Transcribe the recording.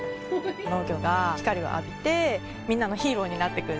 農業が光を浴びてみんなのヒーローになって来る。